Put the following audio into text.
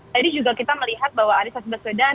jadi juga kita melihat bahwa anies baswedan